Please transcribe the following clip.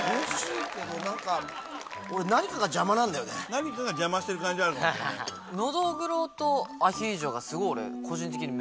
何かが邪魔してる感じはあるかもしれない。